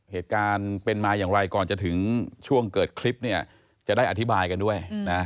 เหตุการณ์เป็นมาอย่างไรก่อนจะถึงช่วงเกิดคลิปเนี่ยจะได้อธิบายกันด้วยนะ